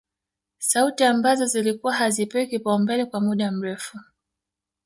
Sauti ambazo zilikuwa hazipewi kipaumbele kwa muda mrefu